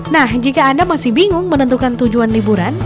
nah jika anda masih bingung menentukan tujuan liburan